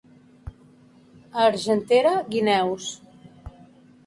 A Argentera, guineus.